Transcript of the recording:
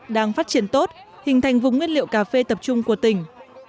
đang phát triển tốt hình thành vùng nguyên liệu cà phê tập trung của tỉnh